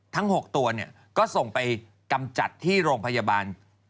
ทั้ง๖ตัวก็ส่งไปกำจัดที่โรงพยาบาล